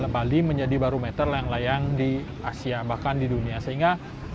bali menjadi barometer layang layang di asia bahkan di dunia sehingga